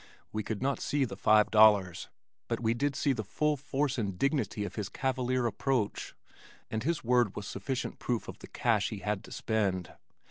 We could not see the five dollars but we did get the full force and dignity of his cavalier approach, and his word was sufficient proof of the cash he had to spend.